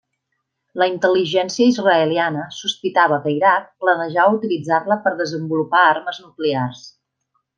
La intel·ligència israeliana sospitava que Iraq planejava utilitzar-la per desenvolupar armes nuclears.